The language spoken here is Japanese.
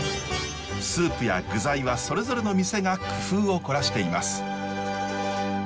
スープや具材はそれぞれの店が工夫を凝らしています。